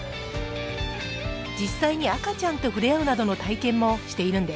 実際に赤ちゃんと触れ合うなどの体験もしているんです。